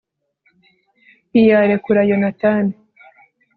ntiyarekura yonatani